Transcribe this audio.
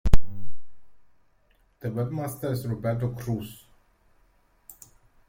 The webmaster is Roberto Cruz.